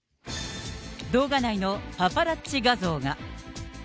動画内のパパラッチ画像が。